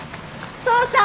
お父さん！